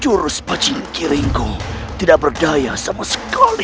curus pacing kiringku tidak berdaya sama sekali